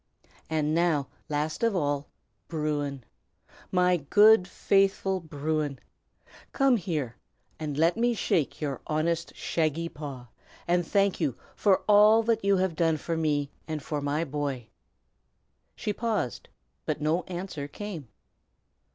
"And now, last of all, Bruin! my good, faithful Bruin! come here and let me shake your honest, shaggy paw, and thank you for all that you have done for me and for my boy." She paused, but no answer came.